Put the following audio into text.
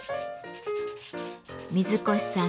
水越さん